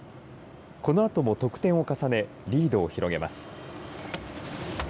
このあとも得点を重ねリードを広げます。